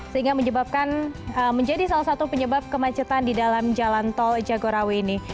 sehingga menjadi salah satu penyebab kemacetan di dalam jalan tolja gorawi ini